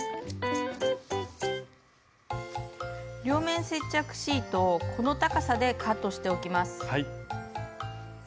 両面接着シートをこの高さでカットしておきます。